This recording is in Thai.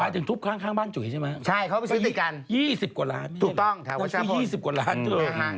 หมายถึงทุบข้างบ้านจุ๋ยใช่มั้ยมี๒๐กว่าล้านนี่เงี้ยแหละนังสี๒๐กว่าล้านจน